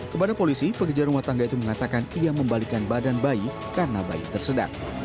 kepada polisi pekerja rumah tangga itu mengatakan ia membalikan badan bayi karena bayi tersedak